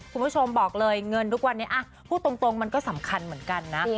คุณผู้ชมบอกเลยเงินทุกวันนี้พูดตรงมันก็สำคัญเหมือนกันนะ